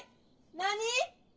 何？